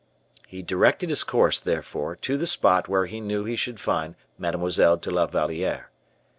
He directed his course, therefore, to the spot where he knew he should find Mademoiselle de la Valliere.